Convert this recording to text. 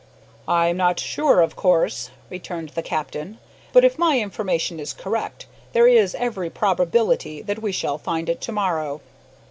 "I am not sure, of course," returned the captain, "but if my information is correct, there is every probability that we shall find it to morrow."